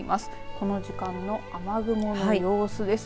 この時間の雨雲の様子です。